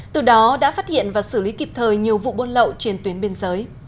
từ đó đã phát hiện và xử lý kịp thời nhiều vụ buôn lậu trên tuyến biên giới